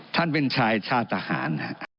ท่านเป็นชายชาติอาทิตย์